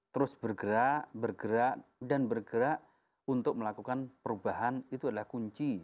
terus bergerak bergerak dan bergerak untuk melakukan perubahan itu adalah kunci